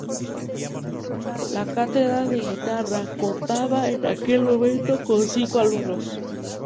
La cátedra de guitarra contaba en aquel momento con cinco alumnos.